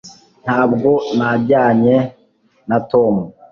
ntabwo najyanye na tom